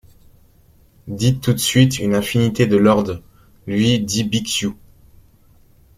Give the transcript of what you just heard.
Dites tout de suite une infinité de lords, lui dit Bixiou.